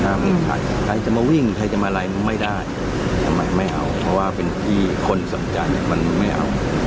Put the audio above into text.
ถ้าใครจะมาวิ่งใครจะมาไลน์ไม่ได้ทำไมไม่เอาเพราะว่าเป็นที่คนสำจัยมันไม่เอา